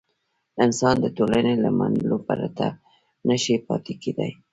انسان د ټولنې له منلو پرته نه شي پاتې کېدای.